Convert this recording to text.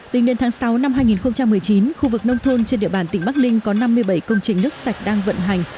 tính đến tháng sáu năm hai nghìn một mươi chín khu vực nông thôn trên địa bàn tỉnh bắc ninh có năm mươi bảy công trình nước sạch đang vận hành